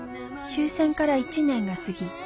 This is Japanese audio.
終戦から１年が過ぎ